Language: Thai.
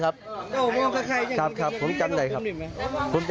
ขอลองกันออกจากพื้นที่พร้อมไปซะ